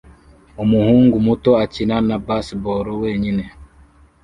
Umuhungu muto akina na baseball wenyine